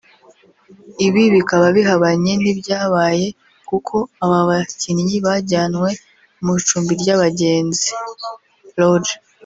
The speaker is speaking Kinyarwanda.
Ibi bikaba bihabanye n’ibyabaye kuko aba bakinnyi bajyanywe mu icumbi ry'abagenzi (Lodge)